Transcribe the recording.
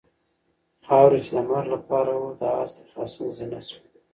خاوره چې د مرګ لپاره وه د آس د خلاصون زینه شوه.